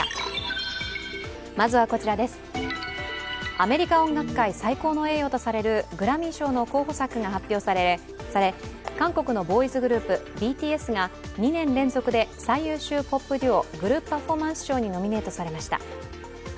アメリカ音楽界最高の栄誉とされるグラミー賞の候補作が発表され、韓国のボーイズグループＢＴＳが２年連続で最優秀ポップ・デュオ／グループ・パフォーマンス賞にノミネートされました。